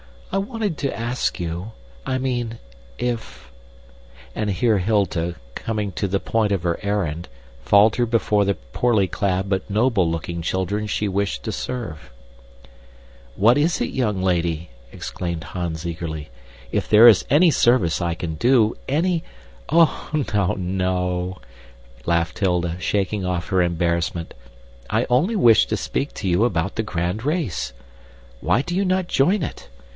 I wanted to ask you I mean, if " And here Hilda, coming to the point of her errand, faltered before the poorly clad but noble looking children she wished to serve. "What is it, young lady?" exclaimed Hans eagerly. "If there is any service I can do, any " "Oh, no, no," laughed Hilda, shaking off her embarrassment. "I only wished to speak to you about the grand race. Why do you not join it?